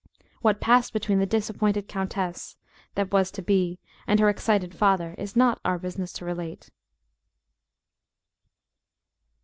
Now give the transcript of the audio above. What passed between the disappointed countess, that was to be, and her excited father, it is not our business to relate.